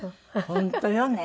本当よね。